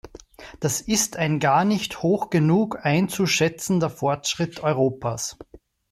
Das ist ein gar nicht hoch genug einzuschätzender Fortschritt Europas.